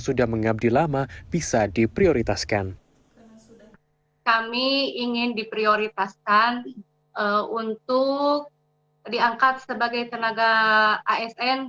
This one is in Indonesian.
sudah mengabdi lama bisa diprioritaskan kami ingin diprioritaskan untuk diangkat sebagai tenaga asn